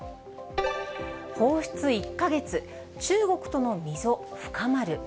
放出１か月、中国との溝深まる？